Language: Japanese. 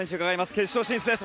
決勝進出です。